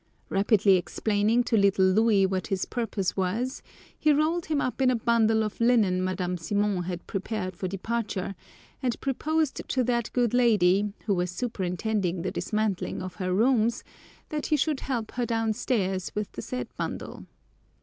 Rapidly explaining to little Louis what his purpose was, he rolled him up in a bundle of linen Madame Simon had prepared for departure, and proposed to that good lady, who was superintending the dismantling of her rooms, that he should help her downstairs with the said bundle.